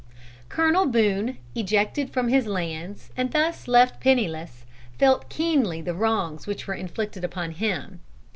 Colonel Boone, ejected from his lands and thus left penniless, felt keenly the wrongs which were inflicted upon him.